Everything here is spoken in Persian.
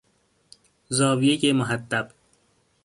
زاویهی محدب